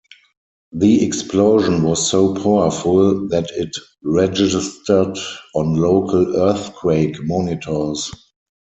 The explosion was so powerful that it registered on local earthquake monitors.